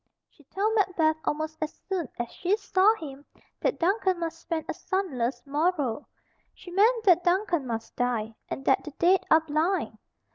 She told Macbeth almost as soon as she saw him that Duncan must spend a sunless morrow. She meant that Duncan must die, and that the dead are blind.